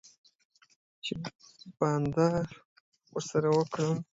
چی بانډار ورسره وکړم